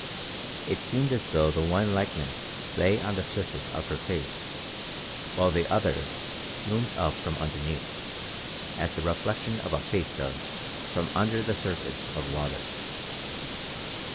It seemed as though the one likeness lay on the surface of her face, while the other loomed up from underneath, as the reflection of a face does from under the surface of water.